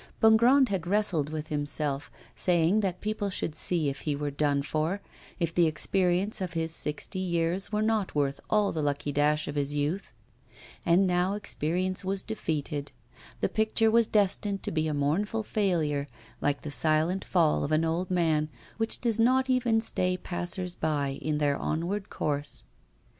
Bongrand had wrestled with himself, saying that people should see if he were done for, if the experience of his sixty years were not worth all the lucky dash of his youth; and now experience was defeated, the picture was destined to be a mournful failure, like the silent fall of an old man, which does not even stay passers by in their onward course.